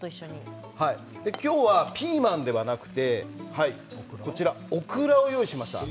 今日はピーマンではなくオクラを用意しました。